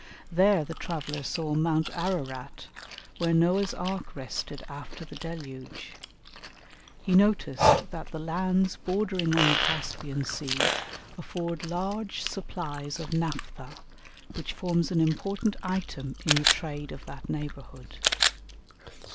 There the traveller saw Mount Ararat, where Noah's Ark rested after the Deluge. He noticed that the lands bordering on the Caspian Sea afford large supplies of naphtha, which forms an important item in the trade of that neighbourhood.